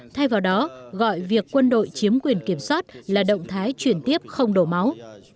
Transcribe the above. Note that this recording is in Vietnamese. thay vào đó gọi việc quân đội chiếm quyền kiểm soát là động thái chuyển tiếp không đổ máu